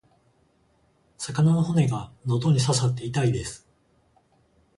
魚の骨が喉に刺さって痛いです。